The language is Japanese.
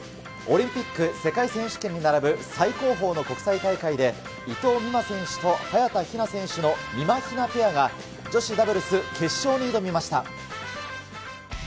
オリンピック、世界選手権に並ぶ最高峰の国際大会で、伊藤美誠選手と早田ひな選手のみまひなペアが、女子ダブルス決勝に挑みました。